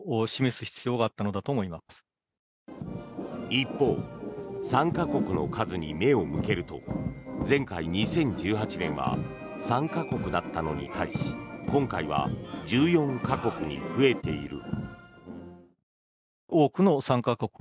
一方参加国の数に目を向けると前回２０１８年は３か国だったのに対し今回は１４か国に増えている。